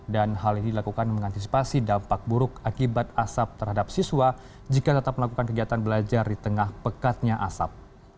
hal ini dilakukan mengantisipasi dampak buruk akibat asap terhadap siswa jika tetap melakukan kegiatan belajar di tengah pekatnya asap